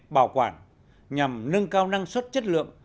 bảo quản nhằm nâng cao năng suất chất lượng